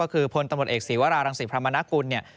ก็คือพลตตเอกศีวาราทร์รังสิบพระมาณกุลเนี่ย